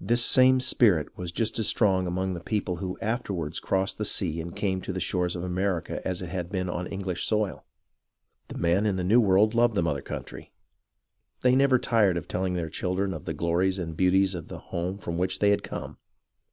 This same spirit was just as strong among the people who afterwards crossed the sea and came to the shores of America as it had been on English soil. The men in the New World loved the mother country. They never tired of teUing their children of the glories and beauties of the home from which they had come.